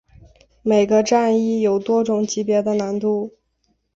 每个战役有多种级别的难度。